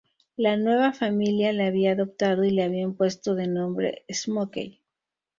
La nueva familia la había adoptado y le había puesto de nombre "Smokey".